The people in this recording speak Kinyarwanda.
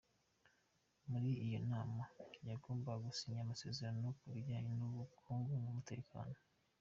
Muri iyo nama bagombaga gusinya amasezerano ku bijyanye n’ubukungu n’umutekano.